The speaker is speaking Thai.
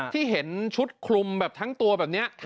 ที่เห็นชุดคลุมแบบทั้งตัวแบบนี้